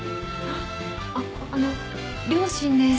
あっあの両親です